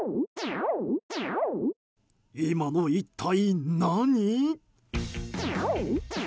今の、一体何？